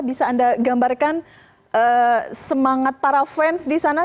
bisa anda gambarkan semangat para fans di sana